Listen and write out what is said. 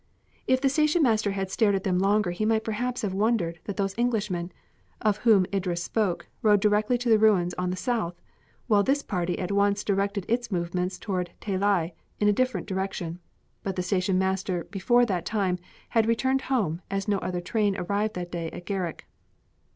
If the station master had stared at them longer he might perhaps have wondered that those Englishmen, of whom Idris spoke, rode directly to the ruins on the south, while this party at once directed its movements towards Talei, in a different direction. But the station master before that time had returned home as no other train arrived that day at Gharak.